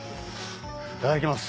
いただきます！